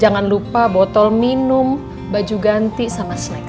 jangan lupa botol minum baju ganti sama snack